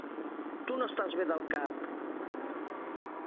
Tu no estàs bé del cap!